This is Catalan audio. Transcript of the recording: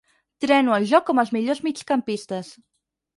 Treno el joc com els millors migcampistes.